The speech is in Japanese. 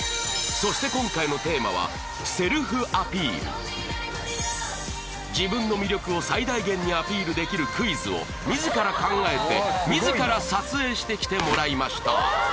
そして自分の魅力を最大限にアピールできるクイズを自ら考えて自ら撮影してきてもらいました